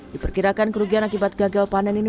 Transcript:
diperkirakan kerugian akibat gagal panen ini